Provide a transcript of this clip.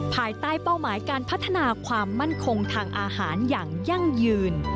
ภายใต้เป้าหมายการพัฒนาความมั่นคงทางอาหารอย่างยั่งยืน